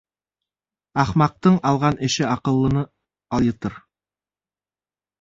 Ахмаҡтың алған эше аҡыллыны алъятыр.